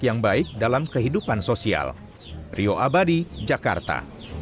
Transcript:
yang baik dalam kehidupan sosial rioabadi jakarta